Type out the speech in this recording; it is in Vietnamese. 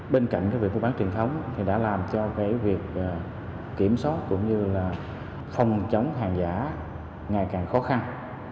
bên cạnh việc buôn bán truyền thống thì đã làm cho cái việc kiểm soát cũng như là phòng chống hàng giả ngày càng khó khăn